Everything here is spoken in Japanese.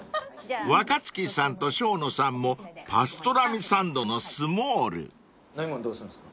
［若槻さんと生野さんもパストラミサンドのスモール］飲み物どうしますか？